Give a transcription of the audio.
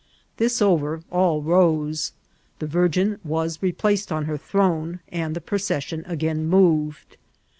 This over, all rose, the Virgin. was replaced on her throne^ and the procession again moved.